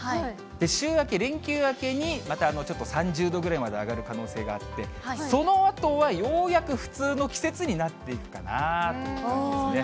週明け、連休明けに、またちょっと３０度ぐらいまで上がる可能性があって、そのあとはようやく、普通の季節になっていくかなという感じですね。